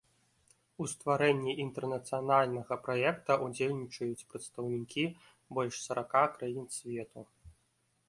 У стварэнні інтэрнацыянальнага праекта ўдзельнічаюць прадстаўнікі больш сарака краін свету.